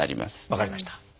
分かりました。